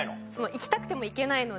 行きたくても行けないので。